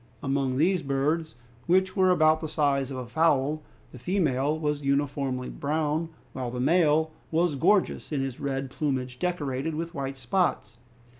Among these birds, which were about the size of a fowl, the female was uniformly brown, while the male was gorgeous in his red plumage, decorated with white spots.